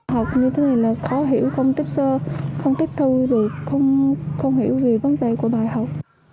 học như thế này là khó hiểu không tiếp sơ không tiếp thu được không hiểu về vấn đề của bài học